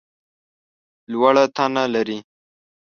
لوړه تنه لرې !